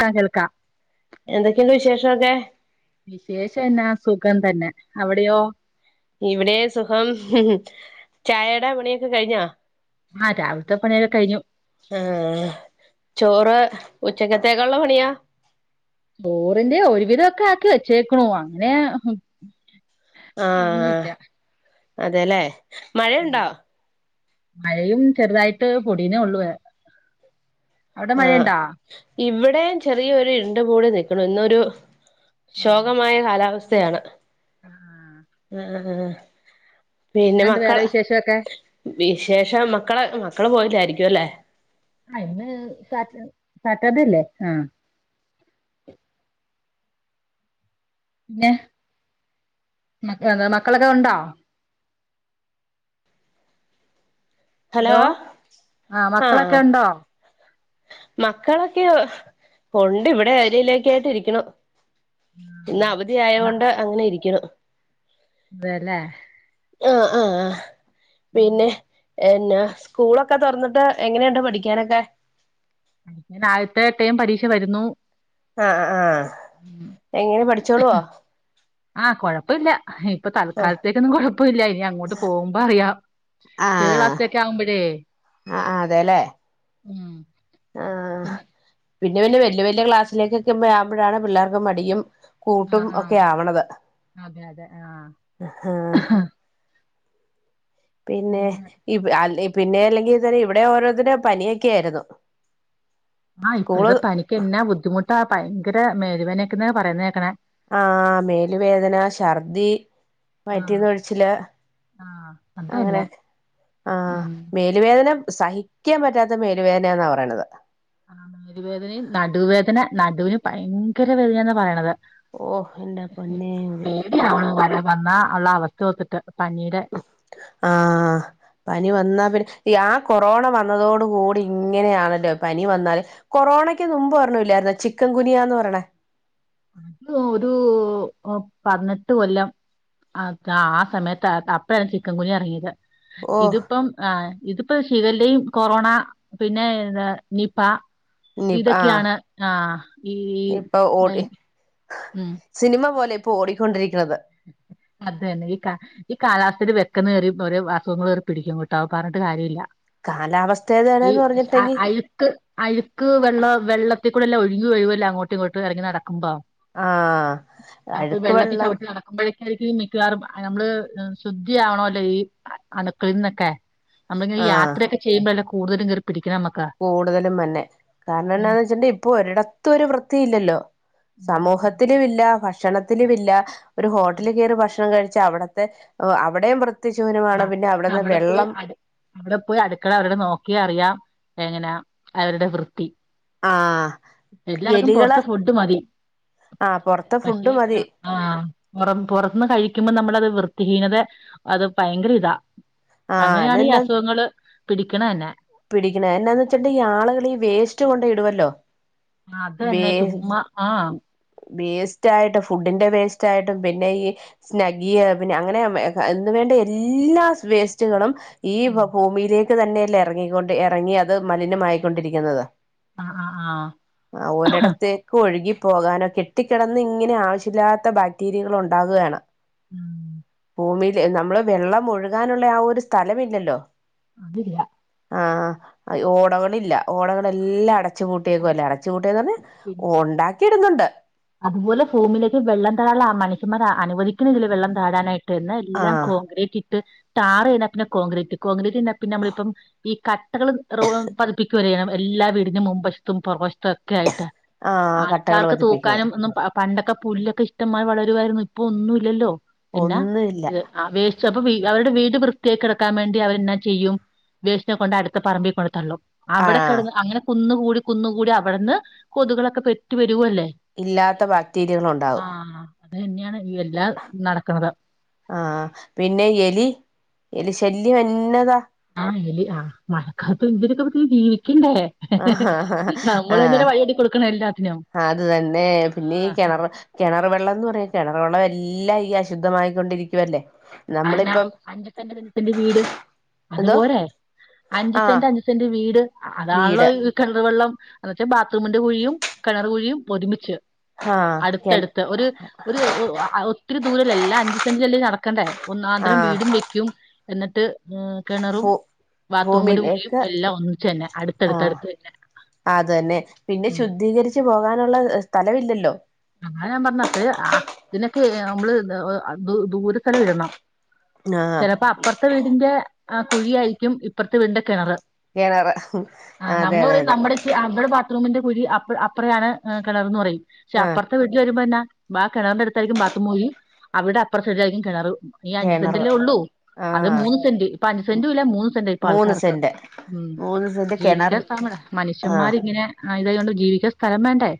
കേൾക്കാം കേൾക്കാം എന്തൊക്കെണ്ട് വിശേഷൊക്കെ വിശേഷം എന്നാ സുഖം തന്നെ അവിടെയോ ഇവിടെ സുഖം ചായേടെ പണിയൊക്കെ കഴിഞ്ഞൊ ആഹ് രാവിലത്തെ പണിയൊക്കെ കയിഞ്ഞു ആഹ് ചോറ് ഉച്ചക്കത്തേക്കുള്ള പണിയാ ചോറിന്റെ ഒരുവിധ ഒക്കെ ആക്കി വെച്ചേക്ക്ണു അങ്ങനെ ആ ഇന്ന് ഇല്ല അതെല്ലേ ഉം മഴയുണ്ടോ മഴയും ചെറുതായിട്ട് പൊടീന്നേ ഒള്ളുവേ അവിട മഴയൊണ്ടാ ഇവിടേം ചെറിയൊരു ഇരുണ്ടുമൂടി നിക്ക്ണു ഇന്നൊരു ശോകമായ കാലാവസ് ത്തയാണ് ആഹ് അഹ് ആഹ് ആഹ് പിന്നെ എന്നാണ്ട് മക്കള വേറെ വിശേഷമൊക്കെ വിശേഷം മക്കളെ മക്കള് പോയില്ലായിരിക്ക്യും അല്ലേ ആഹ് ഇന്ന് സാറ്റർ സാറ്റർഡെ അല്ലേ ആഹ് പിന്നെ മക്കള് മക്കളൊക്കെ ഉണ്ടോ? ഹലോ ആഹ് ആ മക്കളൊക്കെ ഉണ്ടോ? മക്കളൊക്കെ ഒണ്ട് ഇവിടെ ഏരിയിലേക്കായിട്ട് ഇരിക്ക്യുണു ഇന്ന് അവധി ആയോണ്ട് അങ്ങനെ ഇരിക്കിണ് അതേല്ലേ ആഹ് ആഹ് ആഹ് പിന്നെ എന്നാ സ്കൂളൊക്കെ തൊർന്നിട്ട് എങ്ങനെയുണ്ട് പഠിക്കാനെക്കെ ഞ്ഞ് നാല്ത്തെ എട്ടേയും പരീക്ഷ വരുന്നു അഹ് ആഹ് ഹാ എങ്ങനെ പഠിച്ചോളുവോ? ആഹ് കൊഴപ്പല്ല ഇപ്പൊ ആഹ് തൽക്കാലത്തേക്കൊന്നും കുഴപ്പെല്ല ഇനി അങ്ങോട്ട് പോകുമ്പോ അറിയാം ചെറിയ ക്ലാസ്ലൊക്കെ ആകുമ്പഴേ അഹ് ആഹ് അതേലെ ഉം ആഹ് പിന്നെ പിന്നെ പിന്നെ വെല്യ വെല്യ ക്ലാസ്സിലേക്കൊക്കെക്കാ ആകുമ്പഴാണ് പിള്ളേർക്കൊക്കെ മടിയും അഹ് കൂട്ടും ഒക്കെ ആഹ് അതെ അതെ ആഹ് എഹാ പിന്നെ ഈ പിന്നെ അല്ലെങ്കിൽ ഇവടെ ഓരോത്തര്ടെ പനിയൊക്കെയായിരുന്നു ആഹ് ഇപ്പഴത്തെ പനിക്കെന്നാ ബുദ്ധിമുട്ടാ ഭയങ്കര മേലുവേനൊക്കന്ന പറയുന്നേക്കണെ ആഹ് മേല് വേദന ശർദി ആഹ് വയറ്റീന്ന് ഒഴ്ച്ചില് ആഹ് അതന്നെ അങ്ങനെക്കെ ആഹ് ഉം മേ മേല് വേദന സഹിക്കാംപറ്റാത്ത മേലുവേദനയാന്നാ പറയിണത് ആഹ് മേലു വേദനയും നടുവുവേദന നടുവിന് ഭയങ്കര വേദനയാന്നാ പറയണത് ഓഹ്എന്റെ പൊന്നേ യിങ്ക് പേടിയാവ്‌ണു വര വന്നാ അള്ള അവസ്ഥ ഓർത്തിട്ട് പനീടെ ആഹ് പനി വന്നാ പിന്നെ ആ കൊറോണ വന്നതോടു കൂടി ഇങ്ങനെയാണല്ലോ പനി വന്നാല് കൊറോണയ്ക്ക് നുമ്പ് ഒരെണ്ണൊ ല്ലായിരുന്നോ ചിക്കൻ ഗുനിയാന്ന് പറയ്ണേ അത് ഒരൂ പതിനെട്ട് കൊല്ലം അതാ ആ സമയത്ത അപ്പഴാണ് ചിക്കൻ ഗുനിയഎറങ്ങിയത് ഓഹ് ഇതിപ്പം ആഹ് ഇതിപ്പൊ ശിഗല്ലെയും കൊറോണ പിന്നെ ന്താ നിപ ഇനി ആഹ് ഇതൊക്കെയാണ് ആഹ് ഈ ഇപ്പൊ ഓടി അയ് ഉം സിനിമ പോലെ ഇപ്പോ ഓടിക്കൊണ്ടിരിക്ക്ണത് അതന്നെ ഈക്ക ഈ കാലാവസ്ഥയിൽ വെക്കന്ന് കേറി ഒരോ അസുഖങ്ങൾകേറിപിടിക്കും കേട്ടോ പറഞ്ഞിട്ട് കാര്യവില്ല കാലാവസ്ഥ ഏതാണ്ന്ന് പർഞ്ഞിട്ടെങ്കി ക്ക് അഴുക്ക് വെള്ളം വെള്ളത്തിക്കൂടെല്ല ഒഴ്കി ഒഴുകുവല്ല അങ്ങോട്ടും ഇങ്ങോട്ടും എറങ്ങി നടക്കുമ്പോ ആഹ് അപ്പ അഴുക്ക് വെള്ളം വെള്ളത്തിച്ചവിട്ടി നട ക്കുമ്പോഴേക്കായിരിക്കും മിക്കവാറും നമ്മള് ശുദ്ധി ആവണല്ലോ ഈ അണുക്കളിൽന്നൊക്കെ നമ്മളിങ്ങനെ ആഹ് യാത്രയെക്കെ ചെയ്യുമ്പോല്ല കൂടുതലും കേറി പിടിക്ക്ണമ്മ കൂടുതലും മന്നെ കാരണന്നാന്ന് വെച്ച ഇപ്പൊരിടത്തും ഒരു വൃത്തി ഇല്ലല്ലോ ഉം ഉം സമൂഹത്തിലും ഇല്ല ഭക്ഷണത്തിലുവില്ല ഒരു ആഹ് ഹോട്ടലിൽ കേറി ഭക്ഷണം കഴിച്ചാ അവിടത്തെ അവിടെയും വൃ ആഹ് അവിടെ പോയി അട് അവിടെ പോയി അടുക്കള അവരുടെ നോക്കി അറിയാം എങ്ങനാ അവരുടെ വൃത്തി ആഹ് എല്ലാർക്കും എലികള് പൊറത്തെ ഫുഡ് മതി ആഹ് പൊറത്തെ പക്ഷെ ഫുഡ് മതി ആഹ് പൊറം പൊറത്ത്ന്ന് കഴിക്കുമ്പോ നമ്മളത് വൃത്തിഹീനത അത് ഭയങ്കര ഇതാ ആഹ് അങ്ങനെയാണ് ഈ അതെന്നാ അസുഖങ്ങള് പിടിക്കണ തന്നെ പിടിക്കണ എന്നാന്ന് വച്ചട്ടുണ്ടെ ഈ ആളുകൾ ഈ വേസ്റ്റ് കൊണ്ട് ഇടുമല്ലോ അത് തന്നെ ചുമ്മാ ആഹ് വേസ്റ്റ് ആയിട്ടും ഫുഡിന്റെ വേസ്റ്റ് ആയിട്ടും പിന്നെ ഈ സ്നഗിയ് പിന്നെ അങ്ങനെ എന്ന് വേണ്ട എല്ലാ വേസ്റ്റുകളും ഈ ഉം ഭൂമിയിലേക്ക് തന്നെയല്ലേ എറങ്ങിക്കൊണ്ട് എറങ്ങി അത് മലിനമായിക്കൊണ്ടിരിക്കുന്നത് ആഹ് ആഹ് ആഹ് ആഹ് ഒരിടത്ത് ഒഴുകി പോകാനോ കെട്ടിക്കിടന്ന് ഇങ്ങനെ ആവശ്യല്ലാത്ത ബാക്ടീരിയകൾ ഉണ്ടാവുകയാണ് ഉം ഭൂമിയില് നമ്മള് വെള്ളം ഒഴുകാനുള്ള ആ ഒരു സ്ഥലമില്ലല്ലോ അതില്ല ആഹ് ഓടകളില്ല ഓടകളെല്ലാം അടച്ചു അത് പൂട്ടിയേക്കുവല്ലെ ച്ച കൂട്ടെന്ന് പറഞ്ഞ് പിന്നെ ഒണ്ടാക്കി ഇടുന്നുണ്ട് അതുപോലെ ഫൂമിയിലേക്ക് വെള്ളം താഴാൻ മനഷ്യന്മാർ അനുവദിക്കുന്നില്ല വെള്ളം താഴാനായിട്ട് എന്ന ആ എല്ലാം കോൺക്രീറ്റ് ഇട്ട് ടാറ് കഴിഞ്ഞാ പിന്നെ കോൺക്രീറ്റ് കോൺക്രീറ്റ്ന്ന പിന്നെ നമ്മളിപ്പം ഈ കട്ടകള് പതിപ്പിക്കുവല്ലോ എല്ലാ വീടിൻ്റെയും മുൻ വശത്തും പുറകുവശത്തും ഒക്കെ ആയിട്ട് ആ കട്ടകൾ ആൾക്കാർക്ക് തൂക് പതിപ്പിക്കുന്നത് ഒന്നും പണ്ടൊക്കെ പുല്ലൊക്കെ ഇഷ്ടമാതിരി വളരുവായിരുന്നു ഇപ്പൊ ഒന്നും ഇല്ലല്ലോ പിന്നാ ഒന്നുമില്ല ഇത് ആ വേസ് പ്പൊ അവരുടെ വീട് വൃത്തിയയായിക്കിടക്കാൻ വേണ്ടി അവരെന്നാ ചെയ്യും വസ്റ്റിനെ കൊണ്ട് അടുത്ത പറമ്പിൽ കൊണ്ടു തള്ളും അവിടെ ആഹ് കിടന്ന് അങ്ങനെ കുന്ന് കൂടി കുന്ന് കൂടി അവിടെന്ന് കൊതുകുകളൊക്കെ പെറ്റ് പെരുകുവല്ലേ ഇല്ലാത്ത ബാക്ടീരിയകൾ ഉണ്ടാവും ആഹ് അത് തന്നെയാണ് ഇ എല്ലാം നടക്കണത് ആഹ് പിന്നെ എലി എലി ശല്യം എന്നതാ ആഹ് എലി ആഹ് മഴക്കാലത്ത് ഇവര്ക്കൊക്കെ ജീവിക്കണ്ടേ നമ്മള് ആഹ് ഇങ്ങനെ വഴിയൊരുക്കി കൊടുക്കണം എല്ലാത്തിനും അത് തന്നെ പിന്നെ ഈ ആഹ് കെണർ കെണർ വെള്ളം എന്ന് പറയാ കെണർ വെള്ളം എല്ലാം ഈ അശുദ്ധമായിക്കൊണ്ടിരിക്കുവല്ലേ അതെന്ന നമ്മളിപ്പം അഞ്ച്സെന്റ് അഞ്ച്സെൻ്റ് വീട് എന്തോ അതുപോരെ അഞ്ച് ആഹ് സെന്റ് അഞ്ച് ഞ്ച് സെൻ്റ് വീട് അതാണള്ളോ വീട് കിണർ വെള്ളം എന്ന വച്ചാ ബാത്റൂമിന്റെ കുഴിയും കിണർ കുഴിയും ഒരുമിച്ച് ആഹ് കെ അടുത്തടുത്ത് ഒരു ഒരു ഒത്തിരി ദൂരലല്ലേ എല്ലാ അഞ്ചു സെന്റ ല്ല നടക്കണ്ടേ ഒന്നാന്തരം ആഹ് വീടും വെക്കും എന്നിട്ട് ഏഹ് കിണറും ഫു ബാത്റൂമിന്റെ കുഴിയും ഭൂമിയിലേക്ക് എല്ലാം ഒന്നിച്ചു തന്നെ അടുത്തടുത്തടുത്ത് തന്നെ അതന്നെ പിന്നെ ഉം ശുദ്ധീകരിച്ച് പോകാനുള്ള സ്ഥലവില്ലല്ലോ അതാ ഞാൻ പറഞ്ഞ അപ്പയെ ആ ഇതിനൊക്കെ നമ്മള് ദൂ ദൂരെ തന്നെ ഇടണം ആഹ് ചെലപ്പോ അപ്പറത്തെ വീടിന്റെ ആ കുഴി ആയിരിക്കും ഇപ്പറത്തെ വീടിന്റെ കിണറ് കിണറ് അതെ അതെ അതെ പക്ഷ അവിടെ ബാത്റൂമിന്റെ കുഴി അപ്പ അപ്പറയാണ് കിണർന്ന് പറയും പക്ഷെ ആഹ് അപ്പറ വീട്ടിൽ വരുമ്പോന്ന ആ കിണറിന്റെ അടുത്തായിരിക്കും ബാത്റൂം കുഴിയും അവിടെ അപ്പറ സൈഡിലായിരിക്കും കിണർ ഈ അഞ്ചു കെണറ് സെന്റല്ലേ ഉള്ളൂ അത് ആഹ് മൂന്ന്സെന്റ് ഇപ്പൊ അഞ്ച് സെന്റ്റൂല്ല മൂന്ന് സെന്റ ഇപ്പൊ മൂന്ന് ആൾക്കാർക്ക് സെന്റ് ഉം മൂന്ന് സെന്റ് കെണർ ജീവിക്കാ സ്ഥലം വേണ്ടേ ആഹ് മനുഷ്യന്മാരിങ്ങനെ ആയ കൊണ്ട് ജീവിക്കാൻ സ്ഥലം വേണ്ടേ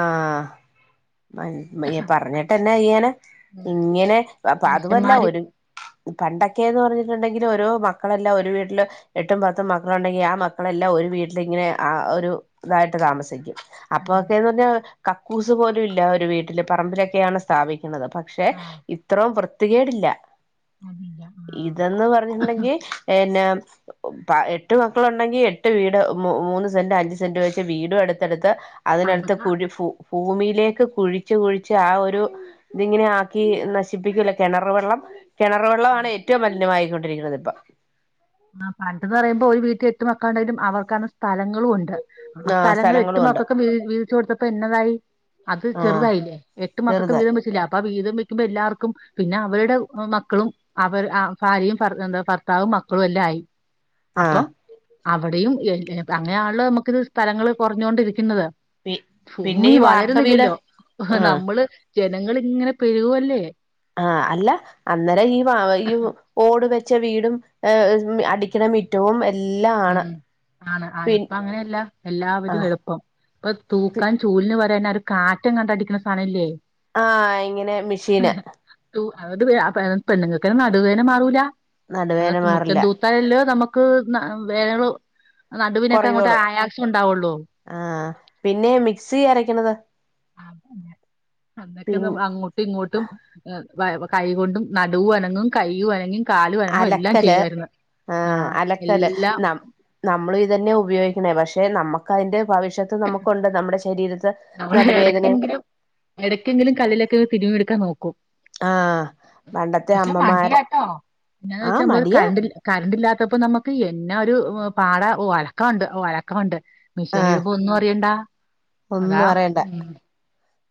ആഹ് മ പറഞ്ഞിട്ട്ന്നെ ചെയ്യാന ഉം ഇങ്ങനെ അപ്പ അതുവല്ല മനുഷ്യന്മാര് ഒരു പണ്ടൊക്കെന്ന് പറഞ്ഞിട്ടുണ്ടെങ്കിൽ ഓരോ മക്കളെല്ലാം ഒരു വീട്ടില് എട്ടും പത്തും മക്കളുണ്ടെങ്കി ആ മക്കളെല്ലാം ഒരു വീട്ടിലിങ്ങനെ ആ ഒരു ഇതായിട്ട് താമസിക്കും അപ്പൊ ഉം കക്കൂസ് പോലുല്ല ഒരു വീട്ടില് പറമ്പിലൊക്കെയാണ് സ്ഥാപിക്കുന്നത് പക്ഷെ ആ ഇത്രയും വൃത്തികേടില്ല അതില്ല ആ ഇതന്ന് പറഞ്ഞിട്ടുണ്ടെങ്കിൽ പിന്നെ. എട്ടു മക്കളുണ്ടെങ്കി എട്ട് വീട് മൂന്ന് സെന്റ് അഞ്ചു സെന്റ് വെച്ച് വീടും അടുത്തെടുത്ത്. അതിനടുത്ത് പണ്ടത്തെ കുഴി ഫൂ ഭൂമിയിലേക്ക് കുഴിച്ച് കുഴിച്ച് ആ ഒരു. ഇതിങ്ങനെ ആക്കി നശിപ്പിക്കൂലേ കിണർ വെള്ളം കിണർ വെള്ളമാണ് ഏറ്റവും മലിനമായിക്കൊണ്ടിരിക്കുന്നത് ഇപ്പം. ആഹ് പണ്ട്ന്ന് പറയുമ്പോ ഒരു വീട്ടിൽ എട്ടു മക്കള്ണ്ടായിട്ടും അവർക്കാണ്. സ്ഥലങ്ങളും ഒണ്ട് ആ ആഹ് സ്ഥലങ്ങള് എട്ടു സ്ഥലങ്ങളും ഉണ്ട് മക്കക്കും വീഴി വീഴിച്ചു കൊടുത്തപ്പോ എന്നതായി. അത് ആഹ് ചെറുതായില്ലേ എട്ട് മക്കൾക്കും ചെറുതായി വീതം വെച്ചില്ലേ അ അപ്പം വീതം വെക്കുമ്പോ എല്ലാർക്കും പിന്നെ അവരുടെ മക്കളും അവര് ആഹ് ഭാര്യയും ഫർ എന്താ ഫർ ത്താവും മക്കളും എല്ലാം ആയി അപ്പൊ. ആഹ് അവിടെയും ഏ അങ്ങനെയാണല്ലോ നമുക്കിത് സ്ഥലങ്ങള് കുറഞ്ഞോണ്ടിരിക്കുന്നത്. പി പിന്നെ ഫൂമി ഈ വാർക്ക വീട് വളരുന്നില്ലല്ലോ ആഹ് നമ്മള്. ജനങ്ങളിങ്ങനെ പെരുകുവല്ലേ. ആഹ് അല്ല അന്നേരം ഈ വ ഈ ഓടു വെച്ച വീടും അടിക്കണ മി റ്റവും എല്ലാ ഉം ആണ് ആഹ് ഇപ്പ അങ്ങനെല്ല ആ എല്ലാവരും എളുപ്പം. ഇപ്പൊ തൂക്കാൻ ചൂലിന്ന് പരെന്നാ ഒരു കാറ്റെങ്ങാണ്ട് അടിക്കണ സാനംല്ലേ. ആഹ് ഇങ്ങനെ മെഷീന്. തു [unintelligible] അത് പെണ്ണുങ്ങൾക്കെ നടുവേന മാറൂല നടുവേദന അത് മുറ്റം മാറില്ല തൂത്. ത്താലല്ലോ നമുക്ക് ന വേറെ നടുവിനൊക്കെ അങ്ങോട്ട് കുറയോളൂ ആയാസം ഉണ്ടാവൊള്ളൂ. ആഹ് പിന്നെ മിക്സി അരക്ക്ണതോ? അതെ അങ്ങട്ട് അങ്ങോട്ട്. പ്പങ്ങോട്ടും വെ കൈകൊണ്ടും നടുവും അനങ്ങും കയ്യും അനങ്ങി. കാലും അനങ്ങും എല്ലാം അലക്കല് ചെയ്യുവായിരുന്നു ആഹ് അലക്കല് എല്ലാം. നം നമ്മളും ഇതന്നെ ഉപയോഗിക്കന്നേ പക്ഷേ നമ്മക്ക് അതിന്റെ ഭവിഷ്യത്ത് നമ്മക്കുണ്ട് നമ്മടെ ശരീരത്ത്. നമ്മള് നടുവേദന എടയ്ക്കെങ്കിലും എടയ്ക്കെങ്കിലും കല്ലിലൊക്കെ തിരുമ്മിയെടുക്കാൻ നോക്കും. ആഹ് പണ്ടത്തെ പക്ഷെ അമ്മമാര് മടിയാട്ടോ പിന്നെന്ന് വെച്ചാ ആഹ് നമ്മളരു മടിയാ കറണ്ട്. കറണ്ടില്ലാത്തപ്പോ നമുക്ക് എന്നാ ഒരു പാടാ ഓ അലക്കാണ്ട് ഓ അലക്കാണ്ട്. ആഹ് മെഷീനിടുമ്പോ ഒന്നും അറിയണ്ട അതാ ഒന്നും അറിയണ്ട ഉം.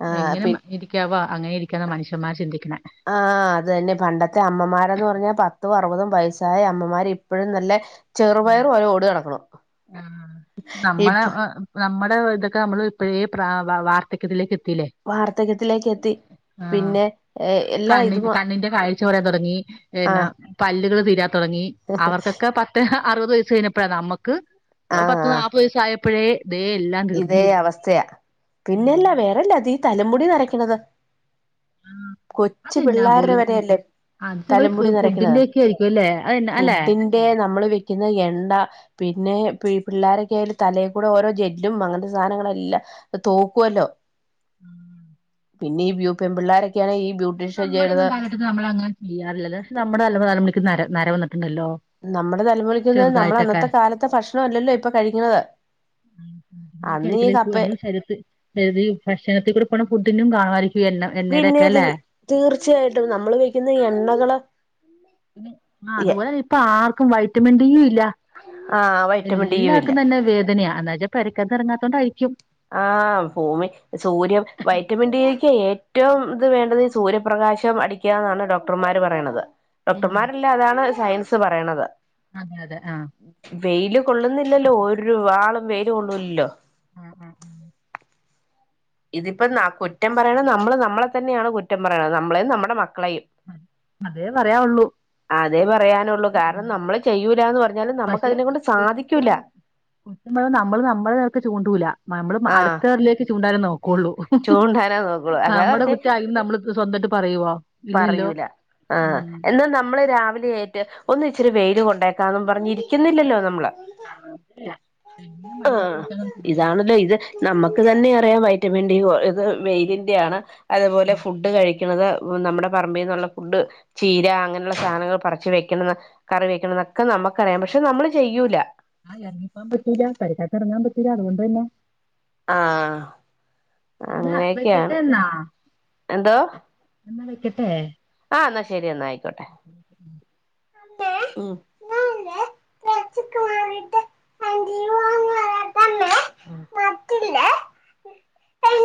ആഹ് എങ്ങനെ പി മ ഇരിക്കാവോ അങ്ങനെ ഇരിക്കാനാ മനുഷ്യന്മാർ ചിന്തിക്കുന്നെ. ആഹ് അതെന്നെ പണ്ടത്തെ അമ്മമാരെന്ന് പറഞ്ഞാൽ പത്തും അറുപതും വയസായ അമ്മമാര് ഇപ്പഴും നല്ല. ഉം ചെറുപയറ് പോലെ ഓടി നടക്ക്ണു ആഹ് ഇപ്പ നമ്മളെ ആ, നമ്മുടെ ഇതൊക്കെ നമ്മള് ഇപ്പഴേ പ്രാ വാ വാ വാർദ്ധക്യത്തിലേക്ക് എത്തിലെ. വാർദ്ധക്യത്തിലേക്ക് എത്തി ആഹ് പിന്നെ എല്ലാ ഇതും കണ്ണിന്റെ കണ്ണിന്റെ കാഴ്ച കൊറയാൻ തൊടങ്ങി. പിന്നെ ആഹ് പല്ലുകള് തീരാൻ തോടങ്ങി അവർക്കൊക്കെ പത്ത് അറുപത് വയസ് കഴിഞ്ഞപ്പഴാ നമ്മക്ക്. ആഹ് പത്ത് ആഹ് നാപ്പു വയസ്സ് ആയപ്പോഴേ ദേ എല്ലാം. തീർന്നു ഇതേ അവസ്ഥയാ ഉം പിന്നെല്ല വേറെല്ലാ അതെ ഈ തലമുടി നെരയ്ക്കുന്നതാ. ആഹ്. അതെന്നാ പോലും അത് വെ ഫു തലമുടി ഫുഡിന്റെയൊക്കെ ആയിരിക്കും അല്ലേ അതന്നെ അല്ലെ. ദേ നമ്മള് വെക്കുന്ന എണ്ണ പിന്നെ പി പിള്ളേരൊക്കെ തലേൽ കൂടെ ഓരൊ ജെല്ല്. ല്ലും അങ്ങനത്തെ സാനങ്ങളെല്ലാം തോക്കുവല്ലോ. ഉം. പിന്നെ ഈ വ്യൂക്കെൻ പിള്ളാരൊക്കെയാണ് ഈ ബ്യൂട്ടീഷ്യൻ ചെയ്യണത് നമ്മുടെന്നും കാലഘട്ടത്തി നമ്മൾ അങ്ങനെ ചെയ്യാറില്ലല്ലോ പക്ഷേ നമ്മുടെ അല തലമുടിക്ക് നര വന്നിട്ടുണ്ടല്ലോ. നമ്മുടെ നല്ലമൊടിക്കെന്ന് നമ്മൾ ചെറുതായിട്ടൊക്കെ അന്നത്തെ കാലത്തെ ഭക്ഷണല്ലല്ലോ ഇപ്പോ കഴിക്കുന്നത്. അന്ന് ഈ രിക്ക കപ്പ നമ്മ ശരീര ഭക്ഷണത്തിൽ കൂടെ പോണ ഫുഡിനും കാണാമായിരിക്കും. പിന്നെ ത് തീർച്ചയായിട്ടും നമ്മള് ഉപയോഗിക്കുന്ന എണ്ണകള്. ആഹ് അതുപോലെ ഇപ്പോ ആർക്കും വയ് മെന്റ് [unintelligible] ല്ല ആഹ് വൈറ്റമിൻ ഡിയും ഇല്ല എല്ലാർക്കും തന്നെ വേദനയാ എന്നച്ചാ. പെരക്കകത്ത് എറങ്ങാത്തോണ്ടായിരിക്കും. ആഹ് ഭൂമി സൂര്യം വൈറ്റമിൻ ഡിക്ക് ഏറ്റവും ഇത് വേണ്ടത്. സൂര്യപ്രകാശം അടിക്കാന്നാണ് ഡോക്ടർമാര് പറയണത് ഉം ഡോക്ടർമാരല്ല അതാണ് സയൻസ് പറയണത് അതെ അതെ ആഹ് വെയില് കൊള്ളുന്നില്ലല്ലോ ഒര്വാളും വെയില് കൊള്ളൂല്ലല്ലോ ആഹ് ആഹ് - ഇതിപ്പം ന കുറ്റം പറയണ നമ്മള് നമ്മളെ തന്നെയാണ് കുറ്റം പറയണത് നമ്മളെയും നമ്മുടെ മക്കളെയും ആ. അതേ പറയാവുള്ളൂ അതെ പറയാനൊള്ളൂ കാരണം ഉം. നമ്മള് ചെയ്യൂലാന്ന് പറഞ്ഞ നമുക്ക് അതിനെ കൊണ്ട് സാധിക്കൂല നമ്മള് നമ്മള് നമ്മളുടെ നേർക്ക് ചൂണ്ടൂല്ല നമ്മള് ആഹ് അടുത്തവരിലെക്ക് ചൂണ്ടാനെ നോക്കു- ള്ളൂ ചൂണ്ടാനാ നോക്കുള്ളൂ അതാ നമ്മുടെ പറഞ്ഞെ കുറ്റം ആരും നമ്മൾ സ്വന്തായിട്ട് പറയുവോ ഇല്ലല്ലോ പറയൂല ആഹ് ഉം എന്നാൽ നമ്മള് രാവിലെ എ- ണീറ്റ് ഒന്ന് ഇച്ചിരി വെയില് കൊണ്ടേക്കാ ന്നും പറഞ്ഞിരിക്കുന്നില്ലല്ലോ നമ്മള് ല്ല എങ്ങനെ മടിപിടിച്ചിരിക്ക ചിന്തയില- നമുക്ക് തന്നെ അറിയാം വൈറ്റമിൻ ഡി ഇത് വെയിലിന്റെ ആണ് അതുപോലെ ഫുഡ് കഴിക്കുന്നത് ഹോ നമ്മുടെ പറമ്പീന്നുള്ള ഫുഡ് ചീര അങ്ങനെയുള്ള സാധനങ്ങൾ പറിച്ച് വെക്കണം കറി വെക്കണം എന്നൊക്കെ നമുക്കറിയാം പക്ഷേ നമ്മള് ചെയ്യൂല ആ എറങ്ങിപ്പോവാൻ പറ്റില്ല പരിസരത്ത് എറങ്ങാൻ പറ്റൂല അതുകൊണ്ട് തന്നെ ആഹ് എന്നാ അങ്ങനെയൊക്കെയാണ് വെക്കട്ടെ എന്തോ- എന്ന വെക്കട്ടെ ആഹ് എന്നാ ശരി എന്ന അയിക്കോട്ടെ [unintelligible] [unintelligible] പറ്റില്ല